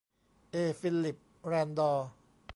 เอ ฟิลลิป แรนดอ